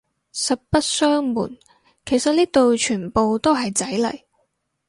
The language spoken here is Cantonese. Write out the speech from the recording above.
實不相暪，其實呢度全部都係仔嚟